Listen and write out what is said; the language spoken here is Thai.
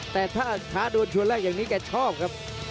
แต่ถ้าช้าโดนชวนแรกอย่างนี้แกชอบครับ